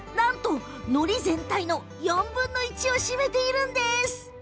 のり全体の４分の１を占めています。